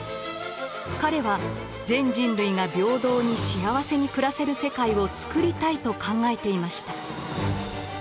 彼は全人類が平等に幸せに暮らせる世界をつくりたいと考えていました。